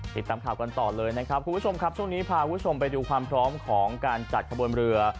ติดตามข่าวกันต่อเลยนะครับคุณผู้ชมครับช่วงนี้พาคุณผู้ชมไปดูความพร้อมของการจัดขบวนเรือ